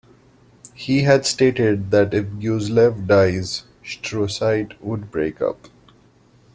He had stated that if Gyuzelev dies, Shturcite would break up.